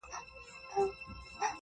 • او ښکنځلو څخه ډکه وه -